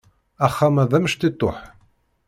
Axxam-a d amectiṭuḥ.